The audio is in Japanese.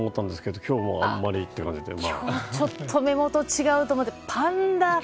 今日ちょっと目元違うって思って。